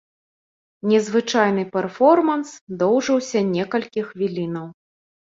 Незвычайны пэрформанс доўжыўся некалькі хвілінаў.